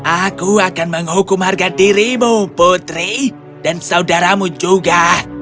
aku akan menghukum harga dirimu putri dan saudaramu juga